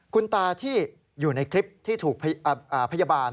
คุณตาที่อยู่ในคลิปที่ถูกพยาบาล